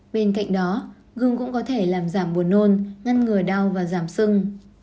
bên cạnh đó gương cũng có thể làm giảm buồn nôn ngăn ngừa đau và giảm sưng